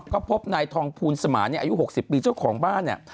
ก็พบนายทองภูลสมานอายุ๖๐ปีเจ้าของบ้านเนี่ย